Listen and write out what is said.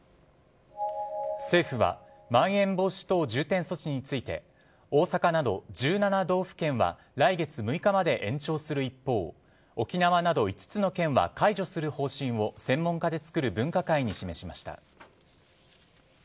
政府はまん延防止等重点措置について大阪など１７道府県は来月６日まで延長する一方沖縄など５つの県は解除する方針を専門家でつくる分科会に示しました。